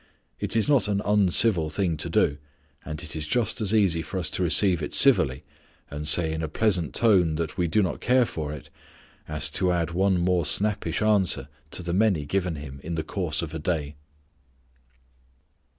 It is not an uncivil thing to do, and it is just as easy for us to receive it civilly, and say in a pleasant tone that we do not care for it, as to add one more snappish answer to the many given him in the course of a day.